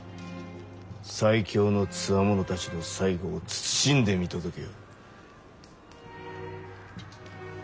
最強のつわものたちの最期を謹んで見届けよ。